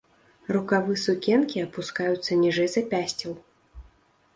Рукавы сукенкі апускаюцца ніжэй запясцяў.